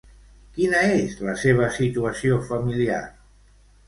Quina és la seva situació familiar?